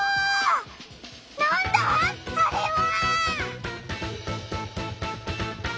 なんだ？あれは。